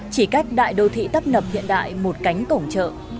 chỉ cách đại đô thị tấp nập hiện đại một cánh cổng chợ